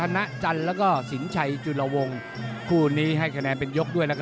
๒๑น่าสุด